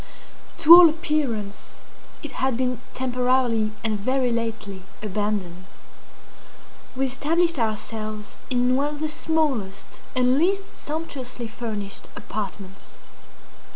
To all appearance it had been temporarily and very lately abandoned. We established ourselves in one of the smallest and least sumptuously furnished apartments.